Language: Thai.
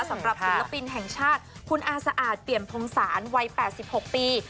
สำหรับศิลปินแห่งชาติคุณอาสะอาดเปี่ยมพงศาลวัย๘๖ปี